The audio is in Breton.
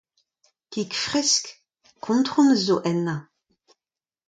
Kig fresk ? Kontron zo ennañ !